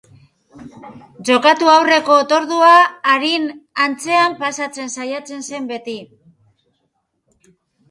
Jokatu aurreko otordua arin antzean pasatzen saiatzen zen beti.